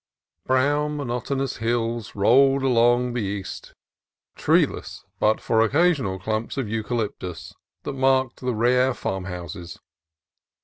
Brown, monotonous hills rolled along on the east, treeless but for occasional clumps of eucalyptus that marked the rare farmhouses.